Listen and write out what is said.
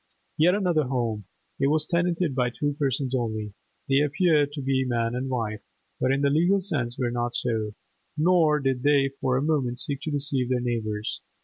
Yet another home. It was tenanted by two persons only; they appeared to be man and wife, but in the legal sense were not so, nor did they for a moment seek to deceive their neighbours.